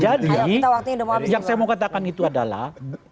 jadi yang saya mau katakan itu adalah